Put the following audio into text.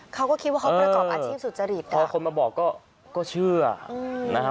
เขาก็คิดว่าเขาประกอบอาชีพสุจริตพอคนมาบอกก็เชื่อนะฮะ